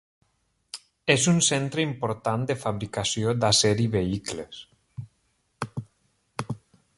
És un centre important de fabricació d'acer i vehicles.